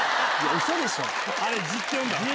ウソでしょ？